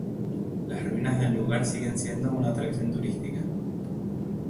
Las ruinas del lugar siguen siendo una atracción turística.